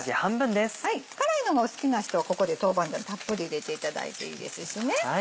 辛いのが好きな人はここで豆板醤たっぷり入れていただいていいですしね。